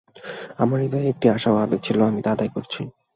আমার হৃদয়ে একটি আশা ও আবেগ ছিল আমি তা আদায় করেছি।